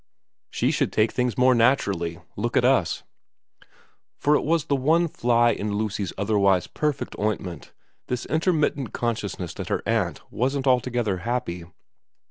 ' She should take things more naturally. Look at us.' For it was the one fly in Lucy's otherwise perfect ointment, this intermittent consciousness that her aunt wasn't alto gether happy.